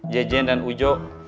jejen dan ujo